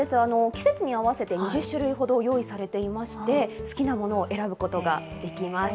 季節に合わせて２０種類ほど用意されていまして、好きなものを選ぶことができます。